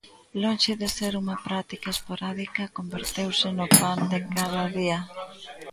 Lonxe de ser unha práctica esporádica, converteuse no pan de cada día.